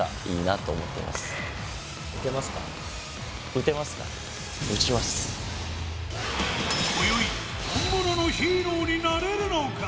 こよい、本物のヒーローになれるのか？